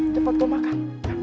cepat kau makan